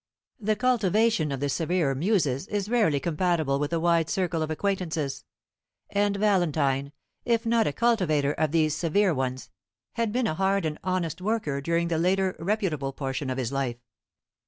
The cultivation of the severer Muses is rarely compatible with a wide circle of acquaintances; and Valentine, if not a cultivator of these severe ones, had been a hard and honest worker during the later reputable portion of his life.